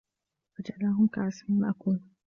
فَجَعَلَهُم كَعَصفٍ مَأكولٍ